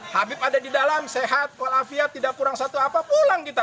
habib ada di dalam sehat walafiat tidak kurang satu apa pulang kita